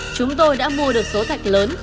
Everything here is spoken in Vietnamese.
chúng tôi đã mua được số thạch lớn